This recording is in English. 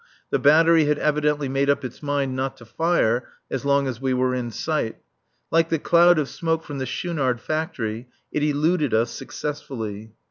The battery had evidently made up its mind not to fire as long as we were in sight. Like the cloud of smoke from the Schoonard factory, it eluded us successfully.